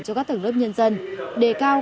cho các tầng lớp nhân dân đề cao